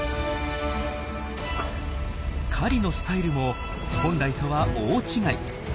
狩りのスタイルも本来とは大違い。